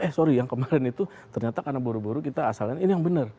eh sorry yang kemarin itu ternyata karena buru buru kita asalkan ini yang benar